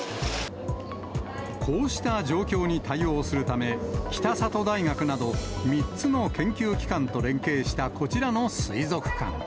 こうした状況に対応するため、北里大学など３つの研究機関と連携したこちらの水族館。